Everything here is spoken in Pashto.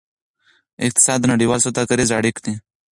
اقتصاد د نړیوالو سوداګریزو اړیک